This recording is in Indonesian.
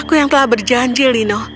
aku yang telah berjanji lino